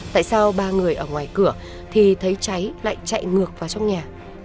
tại sao ba người ở ngoài cửa thì thấy cháy lại chạy ngược vào trong nhà